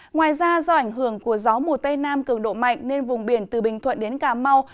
ngoài ra do ảnh hưởng của gió mùa tây nam cường độ mạnh nên vùng biển từ bình thuận đến cà mau